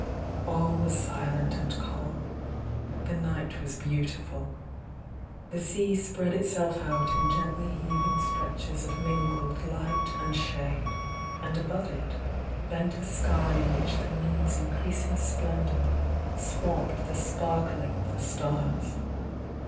All was silent and calm ; the night was beautiful. The sea spread itself out in gently heav ing stretches of mingled light and shade, and above it bent a sky in which the moon's increasing splen dour swamped the sparkling of the stars.